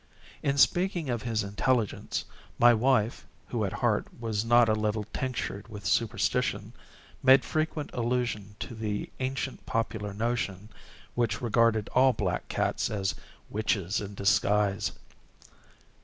In speaking of his intelligence, my wife, who at heart was not a little tinctured with superstition, made frequent allusion to the ancient popular notion, which regarded all black cats as witches in disguise.